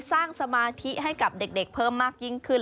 สมาธิให้กับเด็กเพิ่มมากยิ่งขึ้น